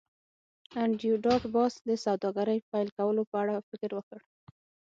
انډریو ډاټ باس د سوداګرۍ پیل کولو په اړه فکر وکړ